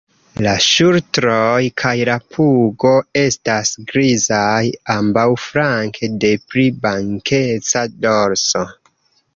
La ŝultroj kaj la pugo estas grizaj ambaŭflanke de pli blankeca dorso.